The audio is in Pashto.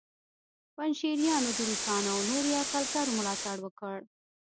پنجشیریانو د روسانو او نورو یرغلګرو ملاتړ وکړ